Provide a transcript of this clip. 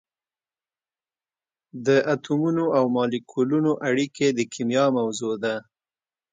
د اتمونو او مالیکولونو اړیکې د کېمیا موضوع ده.